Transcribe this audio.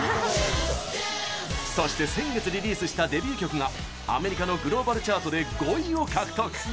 そして先月リリースしたデビュー曲がアメリカのグローバルチャートで５位を獲得！